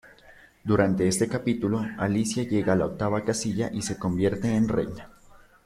Durante este capítulo, Alicia llega a la octava casilla y se convierte en Reina.